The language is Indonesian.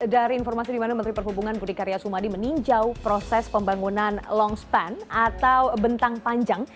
dari informasi di mana menteri perhubungan budi karya sumadi meninjau proses pembangunan longspan atau bentang panjang